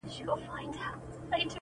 كه د زور تورو وهل د چا سرونه،